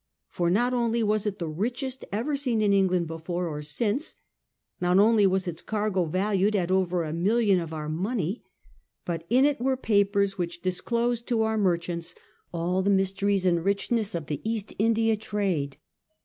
For not only was it the richest ever seen in England before or since, not only was its cargo valued at over a million of our money, but in it were papers which disclosed to our merchants all the mysteries and richness of the East India trade.